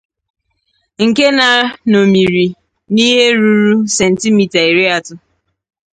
nke na nọmìrì n'ihe ruru sentimità iri atọ